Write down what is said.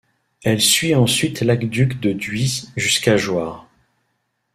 Elle suit ensuite l'Aqueduc de la Dhuys jusqu'à Jouarre.